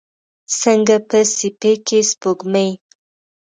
څنګه په سیپۍ کې سپوږمۍ